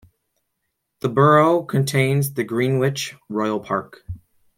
The borough contains the Greenwich Royal Park.